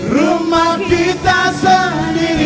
rumah kita sendiri